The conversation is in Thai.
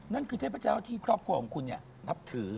นั่นคือเทพเจ้าที่ครอบครัวของคุณนับถือ